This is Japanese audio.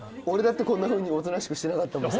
俺だってこんなふうにおとなしくしてなかった。